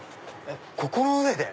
ここの上で！